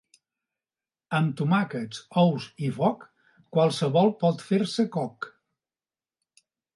Amb tomàquets, ous i foc qualsevol pot fer-se coc.